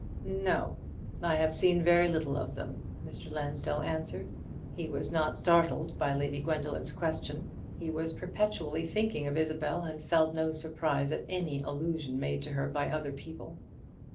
"No; I have seen very little of them," Mr. Lansdell answered. He was not startled by Lady Gwendoline's question: he was perpetually thinking of Isabel, and felt no surprise at any allusion made to her by other people.